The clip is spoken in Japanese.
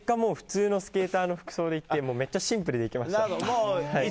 普通のスケーターの服装で行ってめっちゃシンプルで行きました。